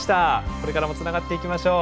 これからもつながっていきましょう。